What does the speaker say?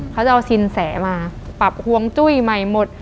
เขาจะเอาสินแสมาปรับฮวงจุ้ยใหม่หมด